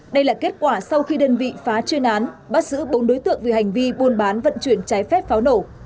đây là kết quả sau khi đơn vị phá chuyên án bắt giữ bốn đối tượng về hành vi buôn bán vận chuyển trái phép pháo nổ